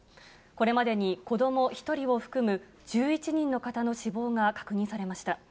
これまでに子ども１人を含む１１人の方の死亡が確認されました。